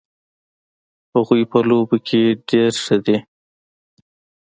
هغوی په لوبو کې ډېر ښه دي